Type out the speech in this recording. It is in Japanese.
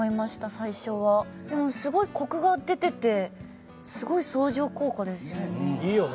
最初はでもすごいコクが出ててすごい相乗効果ですよねいいよね